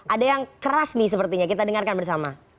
ada yang keras nih sepertinya kita dengarkan bersama